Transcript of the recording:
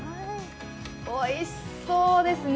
おいしそうですね。